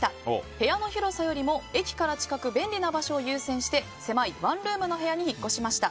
部屋の広さよりも駅から近く便利な場所を優先して狭いワンルームの部屋に引っ越しました。